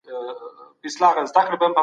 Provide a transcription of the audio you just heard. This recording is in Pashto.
که سیاستپوهنه بېطرفه وای نو نیوکي به نه وې.